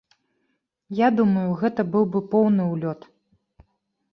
Я думаю, гэта быў бы поўны ўлёт!